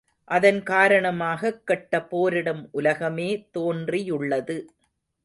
அதன் காரணமாகக் கெட்ட போரிடும் உலகமே தோன்றியுள்ளது.